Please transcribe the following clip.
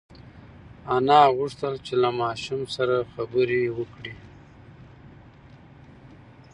انا غوښتل چې له ماشوم سره خبرې وکړي.